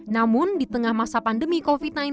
namun di tengah masa pandemi covid sembilan belas